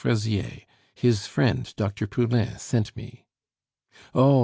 Fraisier; his friend, Dr. Poulain, sent me." "Oh!